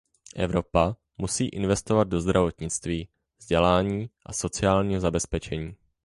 Evropa musí investovat do zdravotnictví, vzdělání a sociálního zabezpečení.